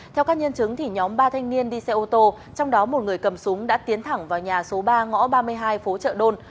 theo các nhân chứng nhóm ba thanh niên đi xe ô tô trong đó một người cầm súng đã tiến thẳng vào nhà số ba ngõ ba mươi hai phố trợ đôn